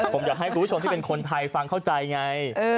ผมอยากให้คุณผู้ชมที่เป็นคนไทยฟังเข้าใจไง